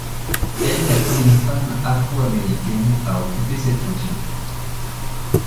Elle est la première femme afro-américaine à occuper cette fonction.